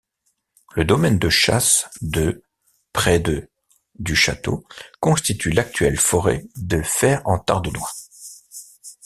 Le domaine de chasse de près de du château constitue l'actuelle forêt de Fère-en-Tardenois.